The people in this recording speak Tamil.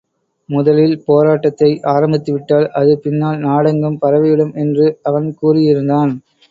முதலில் போராட்டத்தை ஆரம்பித்துவிட்டால் அது பின்னால் நாடெங்கும் பரவிவிடும் என்று அவன் கூறியிருந்தான்.